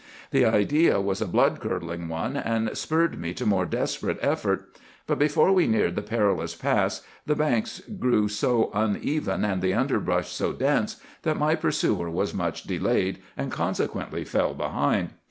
The idea was a blood curdling one, and spurred me to more desperate effort; but before we neared the perilous pass the banks grew so uneven and the underbrush so dense that my pursuer was much delayed, and consequently fell behind.